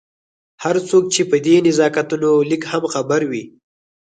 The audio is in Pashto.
هر څوک چې په دې نزاکتونو لږ هم خبر وي.